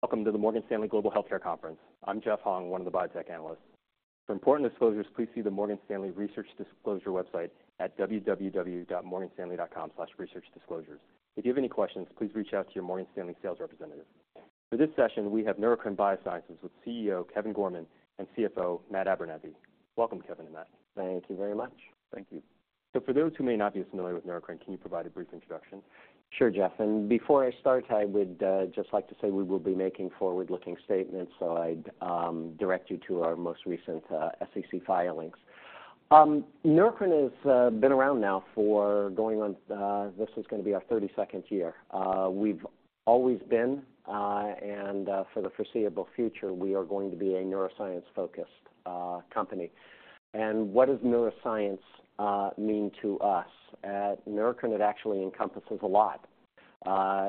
Welcome to the Morgan Stanley Global Healthcare Conference. I'm Jeff Hung, one of the biotech analysts. For important disclosures, please see the Morgan Stanley Research Disclosure website at www.morganstanley.com/researchdisclosures. If you have any questions, please reach out to your Morgan Stanley sales representative. For this session, we have Neurocrine Biosciences with CEO Kevin Gorman and CFO Matt Abernethy. Welcome, Kevin and Matt. Thank you very much. Thank you. So for those who may not be familiar with Neurocrine, can you provide a brief introduction? Sure, Jeff, and before I start, I would just like to say we will be making forward-looking statements, so I'd direct you to our most recent SEC filings. Neurocrine has been around now for going on, this is going to be our 32nd year. We've always been and for the foreseeable future, we are going to be a neuroscience-focused company. And what does neuroscience mean to us? At Neurocrine, it actually encompasses a lot.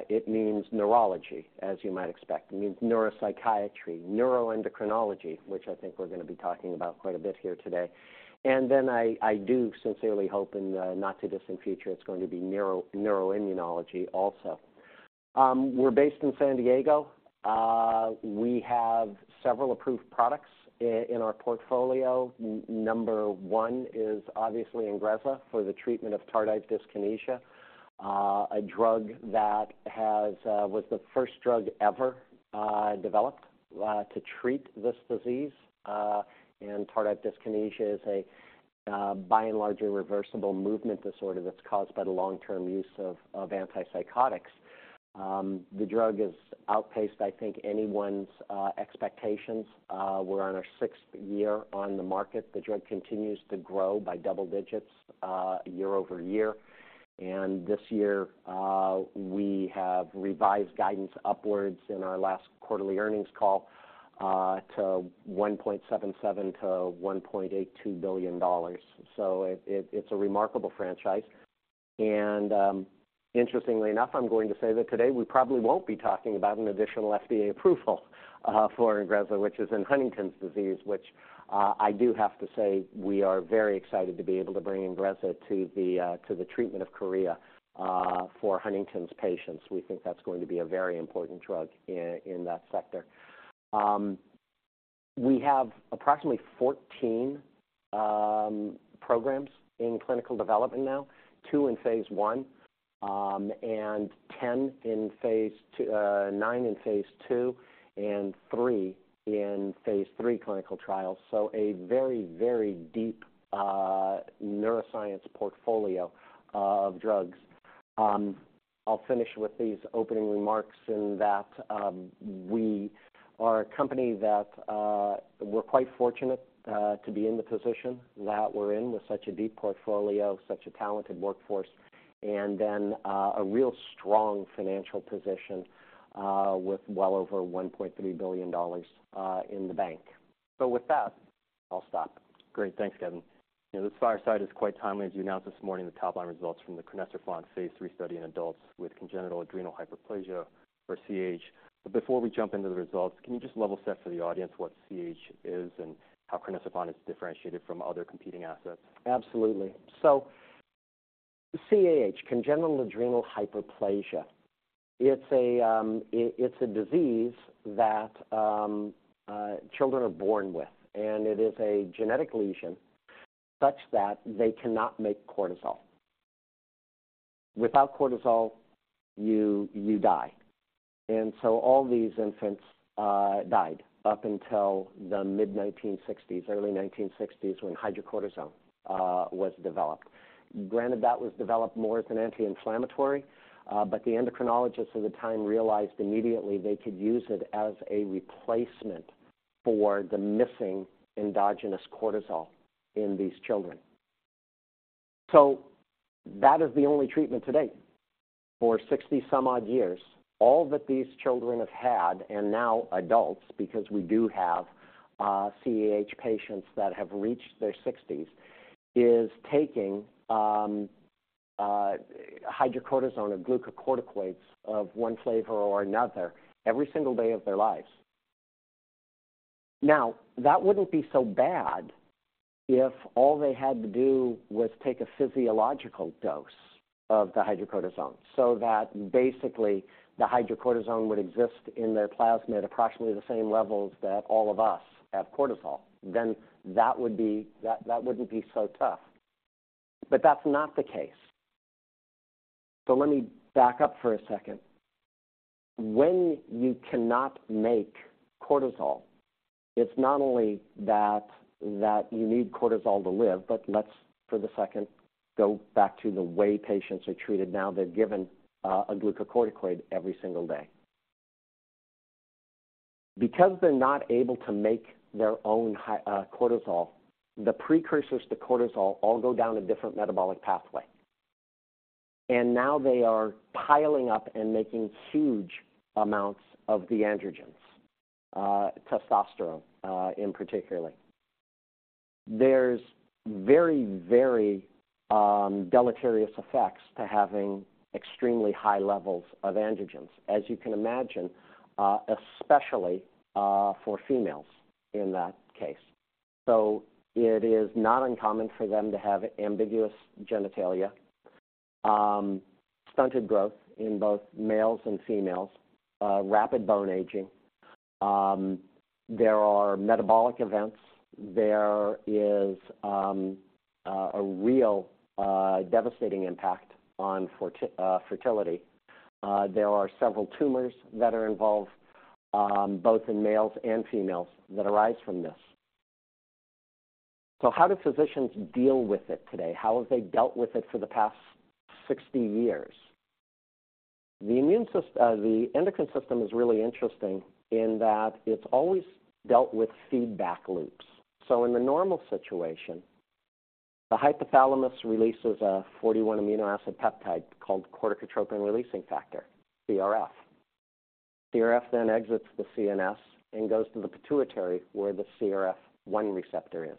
It means neurology, as you might expect. It means neuropsychiatry, neuroendocrinology, which I think we're going to be talking about quite a bit here today. And then I, I do sincerely hope in the not-too-distant future it's going to be neuro, neuroimmunology also. We're based in San Diego. We have several approved products in our portfolio. Number one is obviously INGREZZA for the treatment of tardive dyskinesia, a drug that has... was the first drug ever developed to treat this disease. And tardive dyskinesia is a, by and large, a reversible movement disorder that's caused by the long-term use of antipsychotics. The drug has outpaced, I think, anyone's expectations. We're on our sixth year on the market. The drug continues to grow by double digits year-over-year. And this year, we have revised guidance upwards in our last quarterly earnings call to $1.77 billion-$1.82 billion. So it, it's a remarkable franchise. Interestingly enough, I'm going to say that today we probably won't be talking about an additional FDA approval for INGREZZA, which is in Huntington's disease, which I do have to say, we are very excited to be able to bring INGREZZA to the treatment of chorea for Huntington's patients. We think that's going to be a very important drug in that sector. We have approximately 14 programs in clinical development now, 2 in phase I, and 9 in phase II, and 3 in phase III clinical trials. So a very, very deep neuroscience portfolio of drugs. I'll finish with these opening remarks in that we are a company that we're quite fortunate to be in the position that we're in with such a deep portfolio, such a talented workforce, and then a real strong financial position with well over $1.3 billion in the bank. So with that, I'll stop. Great. Thanks, Kevin. You know, this fireside is quite timely, as you announced this morning, the top-line results from the crinecerfont phase III study in adults with congenital adrenal hyperplasia, or CAH. But before we jump into the results, can you just level set for the audience what CAH is and how crinecerfont is differentiated from other competing assets? Absolutely. So CAH, congenital adrenal hyperplasia, it's a disease that children are born with, and it is a genetic lesion such that they cannot make cortisol. Without cortisol, you die. And so all these infants died up until the mid-1960s, early 1960s, when hydrocortisone was developed. Granted, that was developed more as an anti-inflammatory, but the endocrinologist at the time realized immediately they could use it as a replacement for the missing endogenous cortisol in these children. So that is the only treatment to date. For 60-some-odd years, all that these children have had, and now adults, because we do have CAH patients that have reached their sixties, is taking hydrocortisone or glucocorticoids of one flavor or another every single day of their lives. Now, that wouldn't be so bad if all they had to do was take a physiological dose of the hydrocortisone, so that basically the hydrocortisone would exist in their plasma at approximately the same levels that all of us have cortisol. Then that would be... that, that wouldn't be so tough. But that's not the case. So let me back up for a second. When you cannot make cortisol, it's not only that, that you need cortisol to live, but let's, for the second, go back to the way patients are treated now. They're given a, a glucocorticoid every single day. Because they're not able to make their own cortisol, the precursors to cortisol all go down a different metabolic pathway, and now they are piling up and making huge amounts of the androgens, testosterone, in particular. There's very, very, deleterious effects to having extremely high levels of androgens, as you can imagine, especially, for females in that case. So it is not uncommon for them to have ambiguous genitalia. Stunted growth in both males and females, rapid bone aging. There are metabolic events. There is a real, devastating impact on fertility. There are several tumors that are involved, both in males and females, that arise from this. So how do physicians deal with it today? How have they dealt with it for the past 60 years? The endocrine system is really interesting in that it's always dealt with feedback loops. So in the normal situation, the hypothalamus releases a 41-amino acid peptide called corticotropin-releasing factor, CRF. CRF then exits the CNS and goes to the pituitary, where the CRF1 receptor is.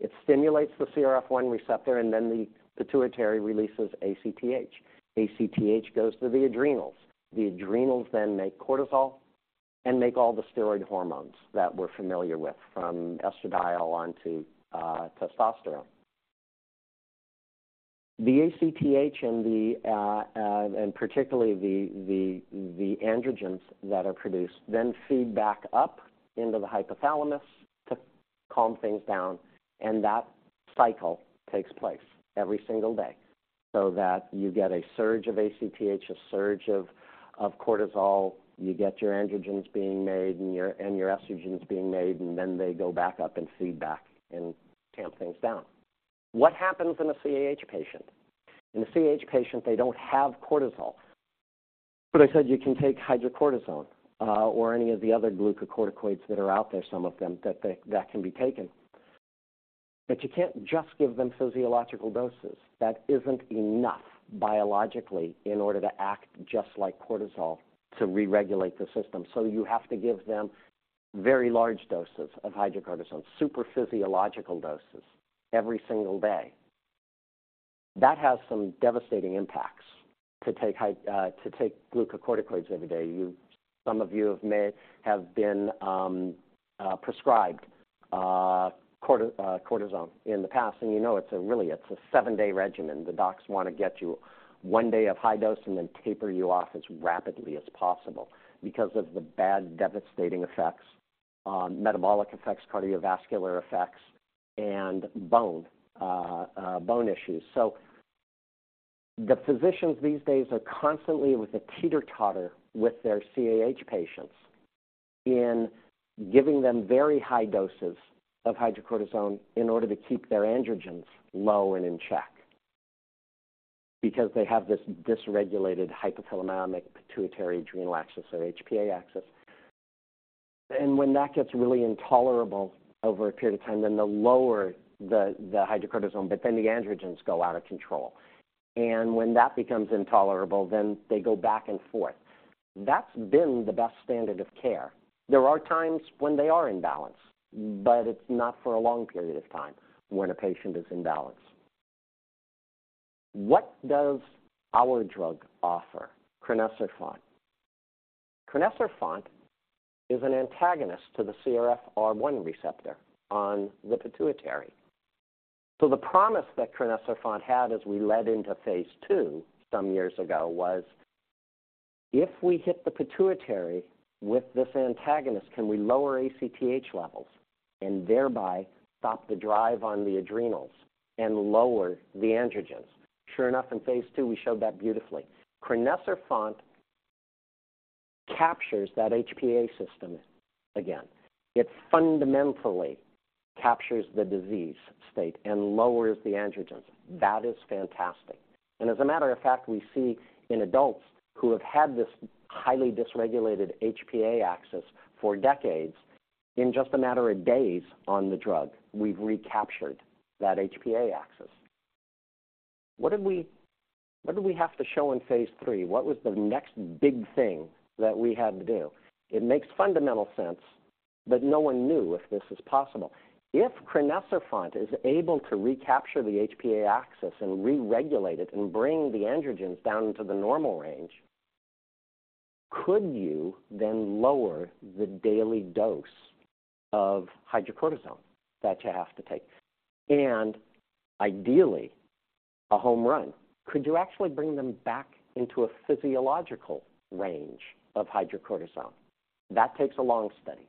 It stimulates the CRF1 receptor, and then the pituitary releases ACTH. ACTH goes to the adrenals. The adrenals then make cortisol and make all the steroid hormones that we're familiar with, from estradiol on to testosterone. The ACTH and particularly the androgens that are produced then feed back up into the hypothalamus to calm things down, and that cycle takes place every single day, so that you get a surge of ACTH, a surge of cortisol. You get your androgens being made and your estrogens being made, and then they go back up and feed back and tamp things down. What happens in a CAH patient? In a CAH patient, they don't have cortisol. But I said you can take hydrocortisone or any of the other glucocorticoids that are out there, some of them that can be taken. But you can't just give them physiological doses. That isn't enough biologically in order to act just like cortisol to re-regulate the system. So you have to give them very large doses of hydrocortisone, supraphysiological doses every single day. That has some devastating impacts, to take glucocorticoids every day. Some of you may have been prescribed cortisone in the past, and you know it's really a seven-day regimen. The docs wanna get you one day of high dose and then taper you off as rapidly as possible because of the bad, devastating effects, metabolic effects, cardiovascular effects, and bone issues. So the physicians these days are constantly with a teeter-totter with their CAH patients in giving them very high doses of hydrocortisone in order to keep their androgens low and in check because they have this dysregulated hypothalamic-pituitary-adrenal axis, or HPA axis. And when that gets really intolerable over a period of time, then they'll lower the hydrocortisone, but then the androgens go out of control. And when that becomes intolerable, then they go back and forth. That's been the best standard of care. There are times when they are in balance, but it's not for a long period of time when a patient is in balance. What does our drug offer, crinecerfont? Crinecerfont is an antagonist to the CRF1 receptor on the pituitary. So the promise that crinecerfont had as we led into phase II some years ago was, if we hit the pituitary with this antagonist, can we lower ACTH levels and thereby stop the drive on the adrenals and lower the androgens? Sure enough, in phase II, we showed that beautifully. Crinecerfont captures that HPA system again. It fundamentally captures the disease state and lowers the androgens. That is fantastic. And as a matter of fact, we see in adults who have had this highly dysregulated HPA axis for decades, in just a matter of days on the drug, we've recaptured that HPA axis. What did we... What did we have to show in phase III? What was the next big thing that we had to do? It makes fundamental sense, but no one knew if this is possible. If crinecerfont is able to recapture the HPA axis and re-regulate it and bring the androgens down to the normal range, could you then lower the daily dose of hydrocortisone that you have to take? And ideally, a home run, could you actually bring them back into a physiological range of hydrocortisone? That takes a long study.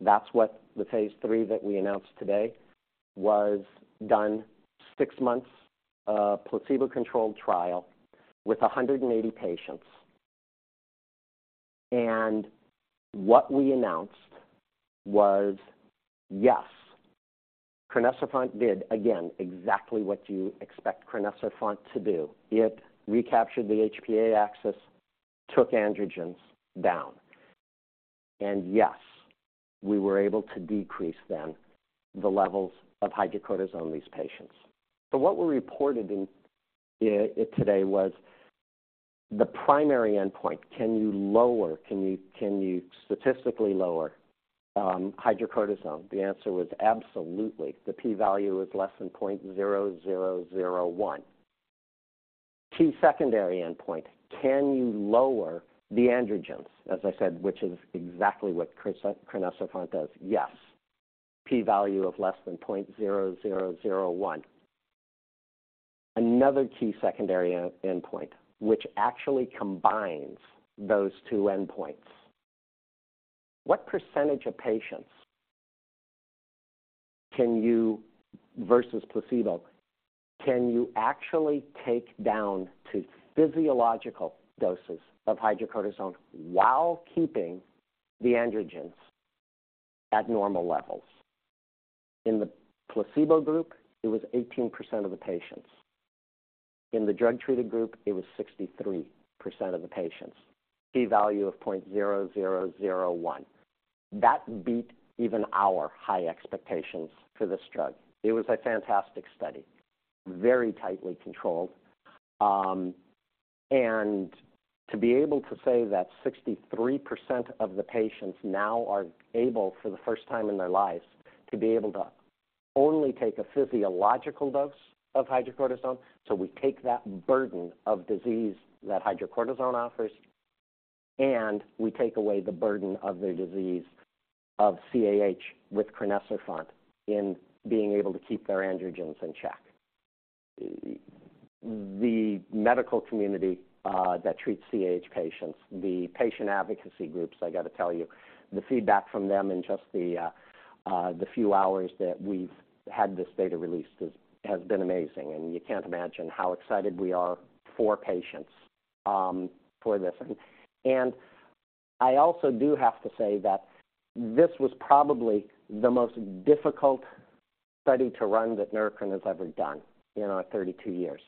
That's what the phase III that we announced today was done, six months of placebo-controlled trial with 180 patients. And what we announced was, yes, crinecerfont did, again, exactly what you expect crinecerfont to do. It recaptured the HPA axis, took androgens down. And yes, we were able to decrease then the levels of hydrocortisone in these patients. So what we reported in it today was the primary endpoint. Can you lower, can you statistically lower hydrocortisone? The answer was absolutely. The p-value is less than 0.0001. Key secondary endpoint: Can you lower the androgens? As I said, which is exactly what crinecerfont does. Yes. P-value of less than 0.0001. Another key secondary endpoint, which actually combines those two endpoints. What percentage of patients can you, versus placebo, can you actually take down to physiological doses of hydrocortisone while keeping the androgens at normal levels? In the placebo group, it was 18% of the patients. In the drug-treated group, it was 63% of the patients. P-value of 0.0001. That beat even our high expectations for this drug. It was a fantastic study, very tightly controlled. And to be able to say that 63% of the patients now are able, for the first time in their lives, to be able to only take a physiological dose of hydrocortisone. So we take that burden of disease that hydrocortisone offers, and we take away the burden of their disease of CAH with crinecerfont in being able to keep their androgens in check. The medical community that treats CAH patients, the patient advocacy groups, I got to tell you, the feedback from them in just the few hours that we've had this data released has been amazing, and you can't imagine how excited we are for patients for this. I also do have to say that this was probably the most difficult study to run that Neurocrine has ever done in our 32 years.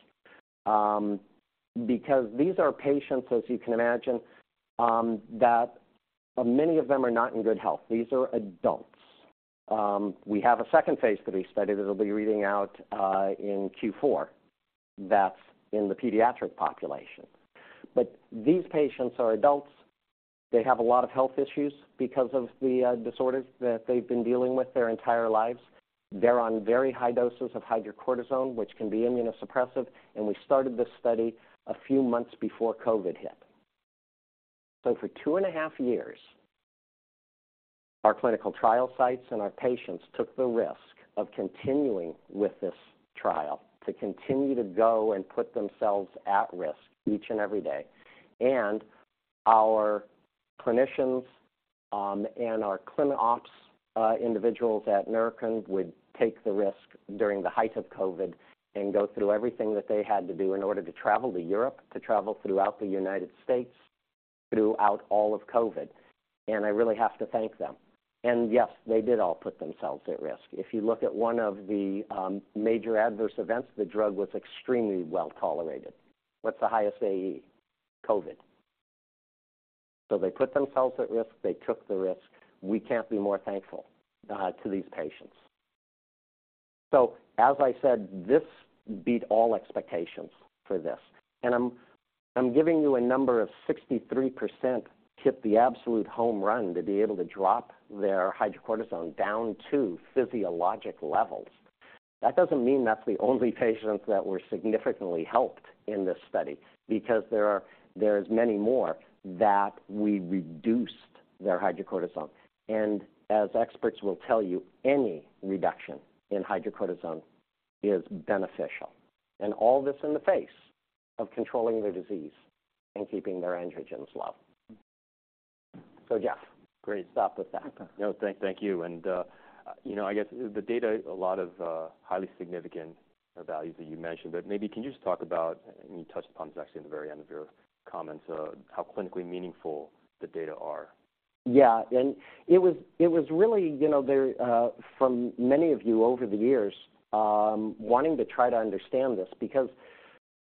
Because these are patients, as you can imagine, that many of them are not in good health. These are adults. We have a second phase III study that'll be reading out in Q4. That's in the pediatric population. But these patients are adults. They have a lot of health issues because of the disorder that they've been dealing with their entire lives. They're on very high doses of hydrocortisone, which can be immunosuppressive, and we started this study a few months before COVID hit. So for two and a half years, our clinical trial sites and our patients took the risk of continuing with this trial, to continue to go and put themselves at risk each and every day. Our clinicians and our clinic ops individuals at Neurocrine would take the risk during the height of COVID and go through everything that they had to do in order to travel to Europe, to travel throughout the United States, throughout all of COVID. I really have to thank them. Yes, they did all put themselves at risk. If you look at one of the major adverse events, the drug was extremely well tolerated. What's the highest AE? COVID. So they put themselves at risk. They took the risk. We can't be more thankful to these patients. So as I said, this beat all expectations for this, and I'm giving you a number of 63% hit the absolute home run to be able to drop their hydrocortisone down to physiologic levels. That doesn't mean that's the only patients that were significantly helped in this study, because there's many more that we reduced their hydrocortisone. And as experts will tell you, any reduction in hydrocortisone is beneficial. And all this in the face of controlling their disease and keeping their androgens low. So, Jeff, great job with that. No, thank you. And, you know, I guess the data, a lot of highly significant values that you mentioned, but maybe can you just talk about, and you touched upon this actually in the very end of your comments, how clinically meaningful the data are? Yeah. And it was, it was really, you know, there, from many of you over the years, wanting to try to understand this. Because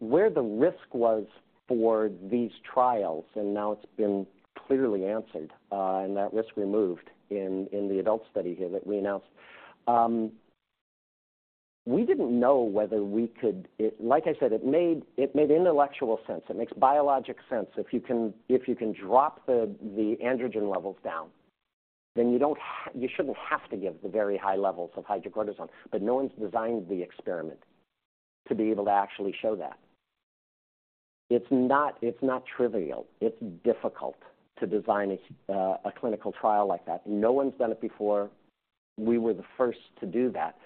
where the risk was for these trials, and now it's been clearly answered, and that risk removed in, in the adult study here that we announced. We didn't know whether we could... Like I said, it made, it made intellectual sense. It makes biologic sense. If you can, if you can drop the, the androgen levels down, then you don't you shouldn't have to give the very high levels of hydrocortisone, but no one's designed the experiment to be able to actually show that. It's not, it's not trivial. It's difficult to design a, a clinical trial like that. No one's done it before. We were the first to do that.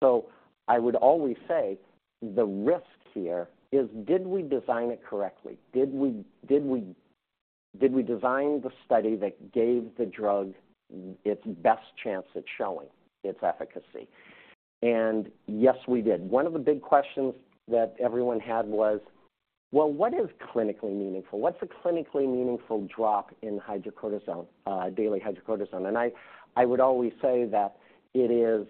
So I would always say the risk here is, did we design it correctly? Did we design the study that gave the drug its best chance at showing its efficacy? And yes, we did. One of the big questions that everyone had was, well, what is clinically meaningful? What's a clinically meaningful drop in hydrocortisone daily hydrocortisone? And I would always say that it is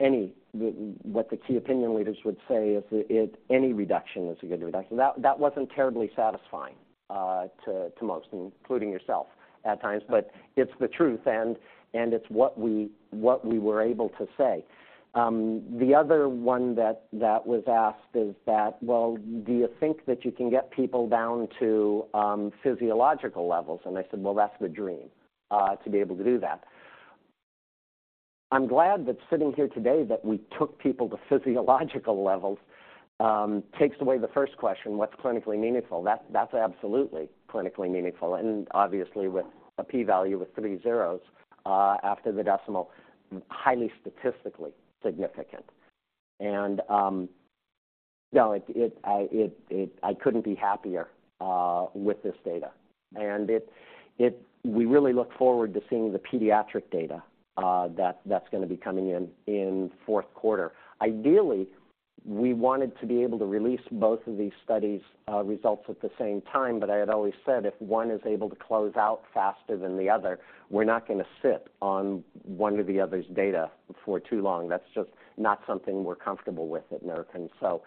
any. What the key opinion leaders would say is it, any reduction is a good reduction. That wasn't terribly satisfying to most, including yourself at times, but it's the truth, and it's what we were able to say. The other one that, that was asked is that, "Well, do you think that you can get people down to, physiological levels?" And I said, "Well, that's the dream, to be able to do that." I'm glad that sitting here today, that we took people to physiological levels.... takes away the first question, what's clinically meaningful? That, that's absolutely clinically meaningful, and obviously with a p-value with three zeros, after the decimal, highly statistically significant. And, no, I couldn't be happier, with this data. And we really look forward to seeing the pediatric data, that, that's gonna be coming in in the fourth quarter. Ideally, we wanted to be able to release both of these studies' results at the same time, but I had always said if one is able to close out faster than the other, we're not gonna sit on one or the other's data for too long. That's just not something we're comfortable with at Neurocrine. So,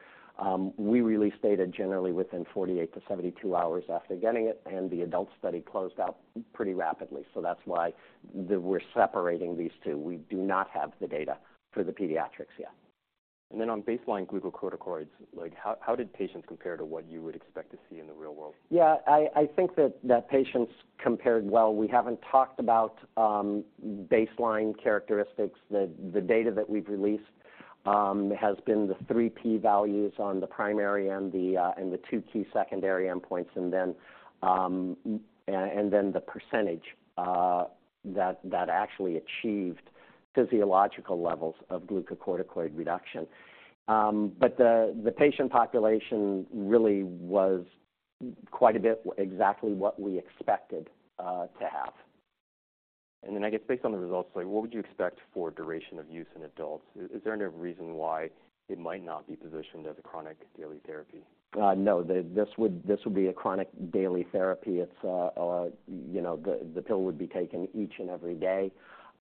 we release data generally within 48 hours-72 hours after getting it, and the adult study closed out pretty rapidly. So that's why the... we're separating these two. We do not have the data for the pediatrics yet. Then on baseline glucocorticoids, like, how did patients compare to what you would expect to see in the real world? Yeah, I think that patients compared well. We haven't talked about baseline characteristics. The data that we've released has been the three p-values on the primary and the two key secondary endpoints, and then the percentage that actually achieved physiological levels of glucocorticoid reduction. But the patient population really was quite a bit exactly what we expected to have. I guess, based on the results, like, what would you expect for duration of use in adults? Is there any reason why it might not be positioned as a chronic daily therapy? No, this would be a chronic daily therapy. It's you know, the pill would be taken each and every day.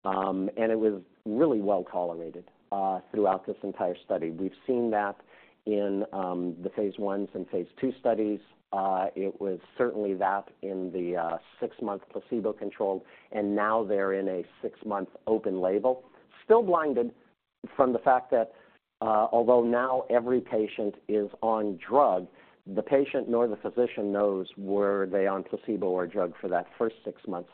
And it was really well-tolerated throughout this entire study. We've seen that in the phase I's and phase II studies. It was certainly that in the 6-month placebo-controlled, and now they're in a 6-month open label, still blinded from the fact that, although now every patient is on drug, the patient nor the physician knows were they on placebo or drug for that first 6 months.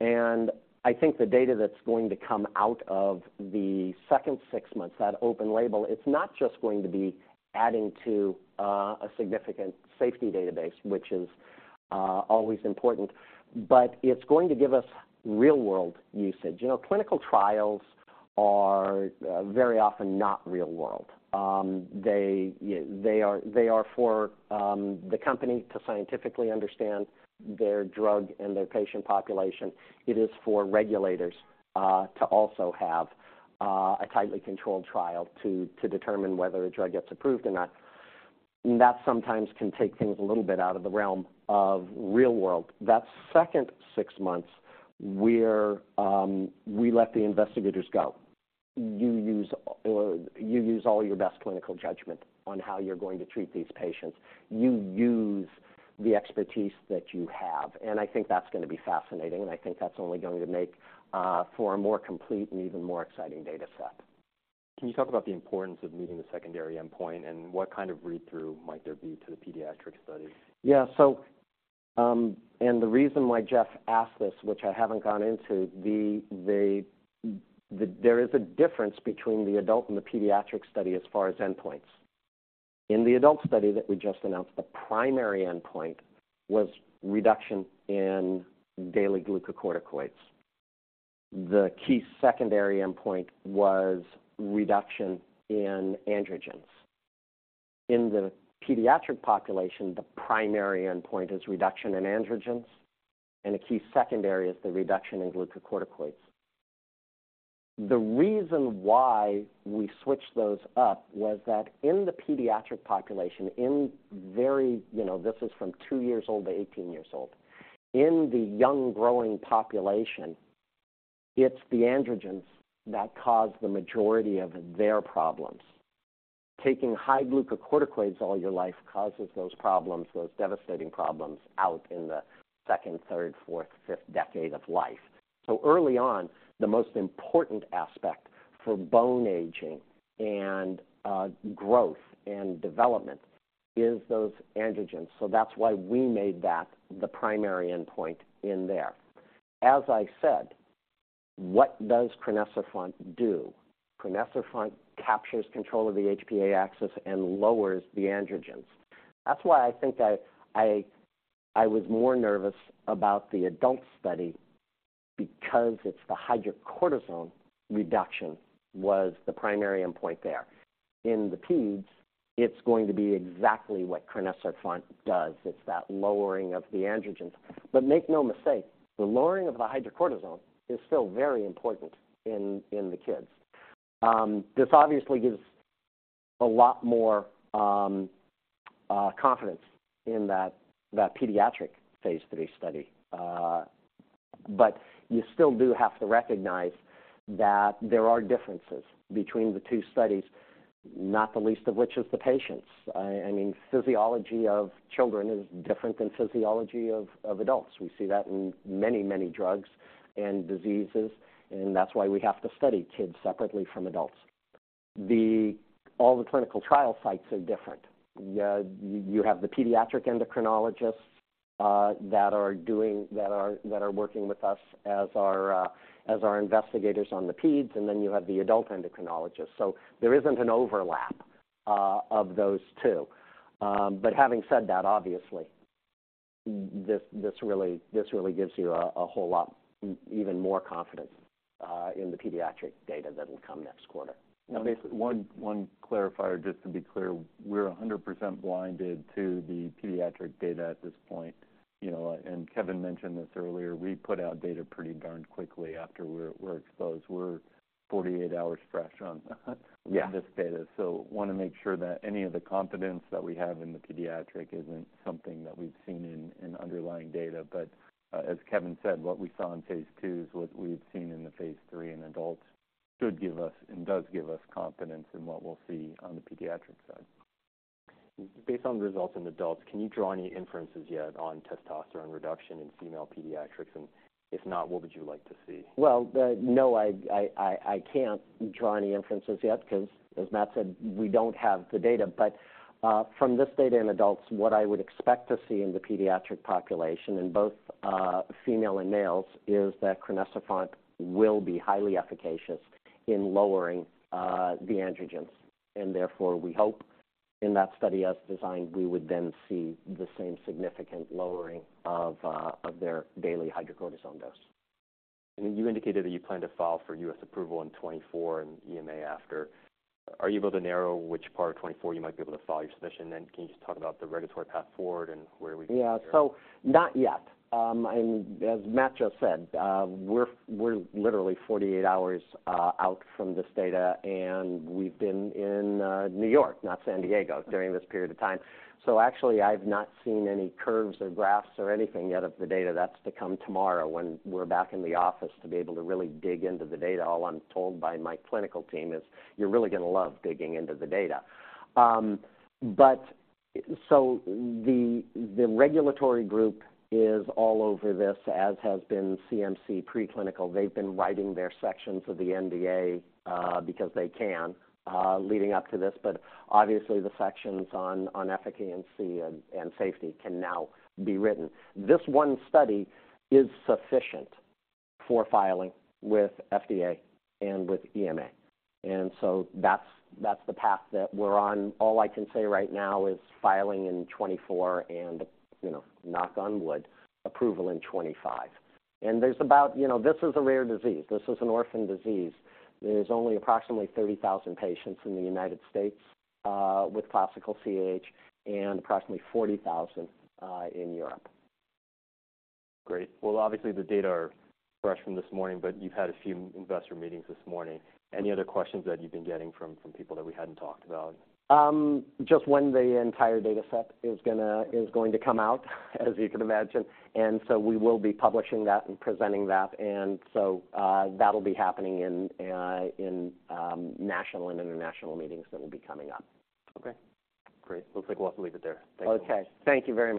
And I think the data that's going to come out of the second 6 months, that open label, it's not just going to be adding to a significant safety database, which is always important, but it's going to give us real-world usage. You know, clinical trials are very often not real world. They are for the company to scientifically understand their drug and their patient population. It is for regulators to also have a tightly controlled trial to determine whether a drug gets approved or not. And that sometimes can take things a little bit out of the realm of real world. That second six months, where we let the investigators go. You use all your best clinical judgment on how you're going to treat these patients. You use the expertise that you have, and I think that's gonna be fascinating, and I think that's only going to make for a more complete and even more exciting data set. Can you talk about the importance of meeting the secondary endpoint, and what kind of read-through might there be to the pediatric study? Yeah, so, and the reason why Jeff asked this, which I haven't gone into. There is a difference between the adult and the pediatric study as far as endpoints. In the adult study that we just announced, the primary endpoint was reduction in daily glucocorticoids. The key secondary endpoint was reduction in androgens. In the pediatric population, the primary endpoint is reduction in androgens, and a key secondary is the reduction in glucocorticoids. The reason why we switched those up was that in the pediatric population, in very, you know, this is from 2 years old to 18 years old. In the young, growing population, it's the androgens that cause the majority of their problems. Taking high glucocorticoids all your life causes those problems, those devastating problems, out in the second, third, fourth, fifth decade of life. So early on, the most important aspect for bone aging and growth and development is those androgens. So that's why we made that the primary endpoint in there. As I said, what does crinecerfont do? Crinecerfont captures control of the HPA axis and lowers the androgens. That's why I think I was more nervous about the adult study because it's the hydrocortisone reduction was the primary endpoint there. In the peds, it's going to be exactly what crinecerfont does. It's that lowering of the androgens. But make no mistake, the lowering of the hydrocortisone is still very important in the kids. This obviously gives a lot more confidence in that pediatric phase III study. But you still do have to recognize that there are differences between the two studies, not the least of which is the patients. I mean, physiology of children is different than physiology of adults. We see that in many, many drugs and diseases, and that's why we have to study kids separately from adults. All the clinical trial sites are different. Yeah, you have the pediatric endocrinologists that are working with us as our investigators on the peds, and then you have the adult endocrinologist. So there isn't an overlap of those two. But having said that, obviously, this really gives you a whole lot, even more confidence in the pediatric data that will come next quarter. One, one clarifier, just to be clear, we're 100% blinded to the pediatric data at this point. You know, and Kevin mentioned this earlier, we put out data pretty darn quickly after we're, we're exposed. We're 48 hours fresh on- Yeah... this data. So wanna make sure that any of the confidence that we have in the pediatric isn't something that we've seen in underlying data. But as Kevin said, what we saw in phase II is what we had seen in the phase III, and adults should give us and does give us confidence in what we'll see on the pediatric side. Based on the results in adults, can you draw any inferences yet on testosterone reduction in female pediatrics? And if not, what would you like to see? Well, no, I can't draw any inferences yet, 'cause as Matt said, we don't have the data. But from this data in adults, what I would expect to see in the pediatric population, in both female and males, is that crinecerfont will be highly efficacious in lowering the androgens. And therefore, we hope in that study, as designed, we would then see the same significant lowering of their daily hydrocortisone dose. You indicated that you plan to file for U.S. approval in 2024 and EMA after. Are you able to narrow which part of 2024 you might be able to file your submission? Can you just talk about the regulatory path forward and where we go from here? Yeah. So not yet. And as Matt just said, we're literally 48 hours out from this data, and we've been in New York, not San Diego, during this period of time. So actually, I've not seen any curves or graphs or anything yet of the data. That's to come tomorrow when we're back in the office to be able to really dig into the data. All I'm told by my clinical team is: "You're really gonna love digging into the data." But so the regulatory group is all over this, as has been CMC Preclinical. They've been writing their sections of the NDA because they can leading up to this. But obviously, the sections on efficacy and safety can now be written. This one study is sufficient for filing with FDA and with EMA, and so that's, that's the path that we're on. All I can say right now is filing in 2024 and, you know, knock on wood, approval in 2025. And there's about... You know, this is a rare disease. This is an orphan disease. There's only approximately 30,000 patients in the United States with classical CAH, and approximately 40,000 in Europe. Great. Well, obviously, the data are fresh from this morning, but you've had a few investor meetings this morning. Any other questions that you've been getting from people that we hadn't talked about? Just when the entire data set is going to come out, as you can imagine. And so we will be publishing that and presenting that, and so, that'll be happening in national and international meetings that will be coming up. Okay, great. Looks like we'll have to leave it there. Thank you. Okay. Thank you very much.